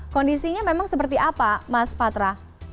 kondisinya memang seperti apa mas patra